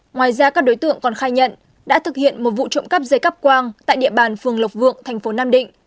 ngoài ra các đối tượng còn khai nhận đã thực hiện một vụ trộm cắp dây cắp quang tại địa bàn phường lộc vượng thành phố nam định